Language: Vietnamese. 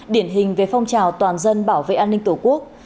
điển hình về phong trào toàn dân bảo vệ an ninh tổ quốc